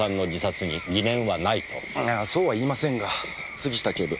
杉下警部。